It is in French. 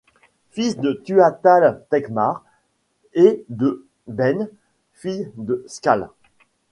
Fils de Tuathal Techtmar et de Báine, fille de Scál.